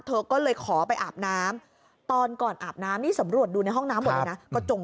เธอก็เลยขอไปอาบน้ำตอนก่อนอาบน้ำนี่สำรวจดูในห้องน้ำหมดเลยนะ